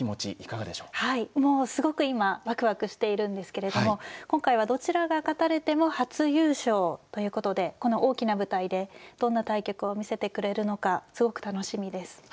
はいもうすごく今ワクワクしているんですけれども今回はどちらが勝たれても初優勝ということでこの大きな舞台でどんな対局を見せてくれるのかすごく楽しみです。